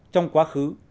trong quá khứ